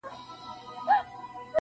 اسمان ته مي خاته ناسوني نه دی-